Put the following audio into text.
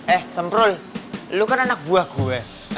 eh semprol lo kan anak buah gue